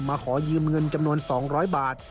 ขอยืมเงินจำนวน๒๐๐บาท